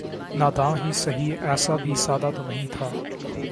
ناداں ہی سہی ایسا بھی سادہ تو نہیں تھا